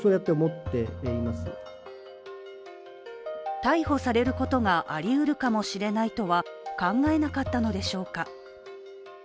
逮捕されることがありうるかもしれないとは考えなかったのでしょうか。